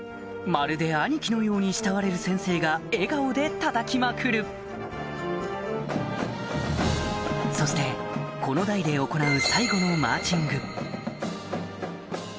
まるで兄貴のように慕われる先生が笑顔でたたきまくるそしてこの代で行う